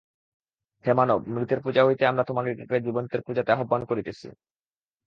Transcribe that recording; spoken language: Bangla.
হে মানব, মৃতের পূজা হইতে আমরা তোমাদিগকে জীবন্তের পূজাতে আহ্বান করিতেছি।